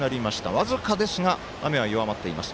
僅かですが雨は弱まっています。